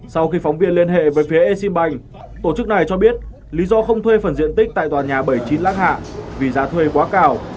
sau khi phóng viên liên hệ với phía exim bank tổ chức này cho biết lý do không thuê phần diện tích tại tòa nhà bảy mươi chín lát hạ vì giá thuê quá cao